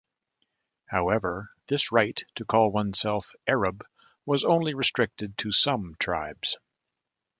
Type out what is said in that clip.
However, this right to call oneself "Arab" was only restricted to some tribes.